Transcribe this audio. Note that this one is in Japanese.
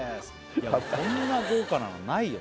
いやこんな豪華なのないよ